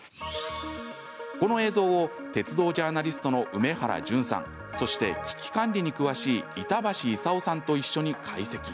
この映像を鉄道ジャーナリストの梅原淳さんそして危険管理に詳しい板橋功さんと一緒に解析。